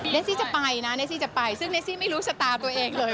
นัซซี่จะไปซึ่งนัซซี่ไม่รู้ชะตาตัวเองเลย